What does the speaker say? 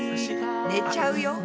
寝ちゃうよ。